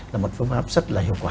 là một phương pháp rất là hiệu quả